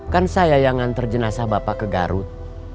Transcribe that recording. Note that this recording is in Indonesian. kan saya yang ngantar jenazah bapak ke garut